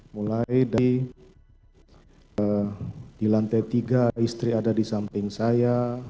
mulai di lantai tiga istri ada di samping saya